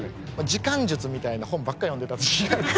時間術みたいな本ばっかり読んでた時期があって。